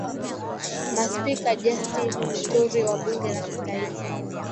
Maspika Justine Muturi wa bunge la kitaifa